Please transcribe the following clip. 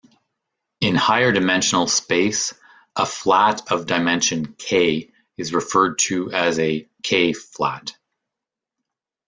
In higher-dimensional space, a flat of dimension "k" is referred to as a "k"-flat.